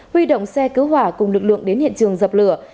huy động xe cứu hỏa cùng lực lượng đến hiện trường dập lửa